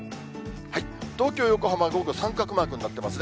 東京、横浜、午後、三角マークになっていますね。